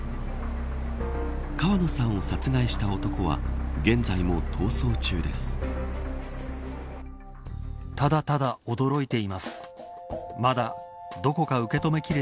川野さんを殺害した男は現在も逃走中です。